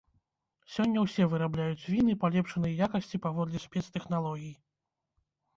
Сёння ўсе вырабляюць віны палепшанай якасці паводле спецтэхналогій.